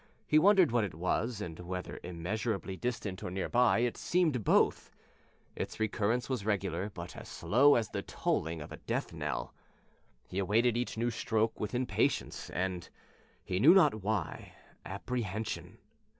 He wondered what it was, and whether immeasurably distant or near by it seemed both. Its recurrence was regular, but as slow as the tolling of a death knell. He awaited each stroke with impatience and he knew not why apprehension.